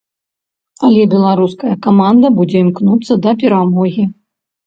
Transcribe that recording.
Але беларуская каманда будзе імкнуцца да перамогі.